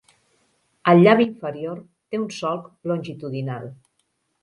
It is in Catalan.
El llavi inferior té un solc longitudinal.